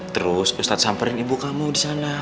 terus ustad samperin ibu kamu disana